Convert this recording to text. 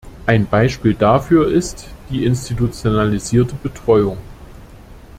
Ein Beispiel dafür ist die institutionalisierte Betreuung.